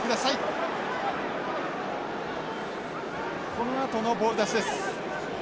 このあとのボール出しです。